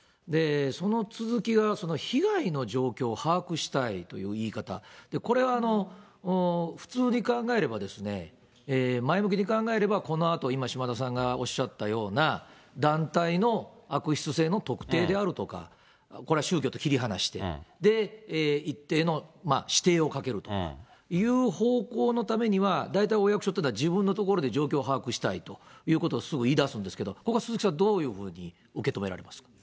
その続きが、被害の状況を把握したいという言い方、これは普通に考えれば、前向きに考えれば、このあと、今、島田さんがおっしゃったような団体の悪質性の特定であるとか、これは宗教と切り離して、一定の指定をかけるという方向のためには大体お役所っていうのは、自分のところで状況を把握したいということをすぐ言い出すんですけど、ここは鈴木さん、どういうふうに受け止められました？